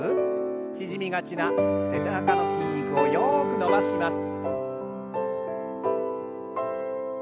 縮みがちな背中の筋肉をよく伸ばします。